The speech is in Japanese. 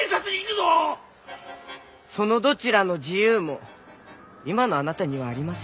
そのどちらの自由も今のあなたにはありません。